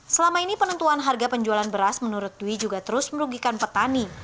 selama ini penentuan harga penjualan beras menurut dwi juga terus merugikan petani